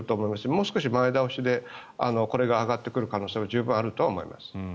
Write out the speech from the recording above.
もう少し前倒しでこれが上がってくる可能性も十分あると思います。